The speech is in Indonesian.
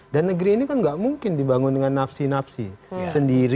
dan negeri ini kan gak mungkin dibangun dengan nafsi nafsi